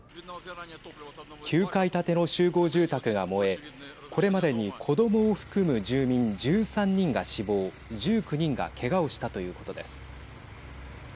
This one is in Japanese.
９階建ての集合住宅が燃えこれまでに子どもを含む住民１３人が死亡１９人がけがをしたということです。